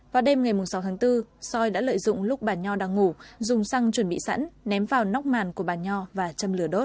vào đêm ngày sáu tháng bốn soi đã lợi dụng lúc bà nho đang ngủ dùng xăng chuẩn bị sẵn ném vào nóc màn của bà nho và châm lửa đốt